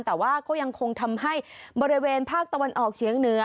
แต่ว่าก็ยังคงทำให้บริเวณภาคตะวันออกเฉียงเหนือ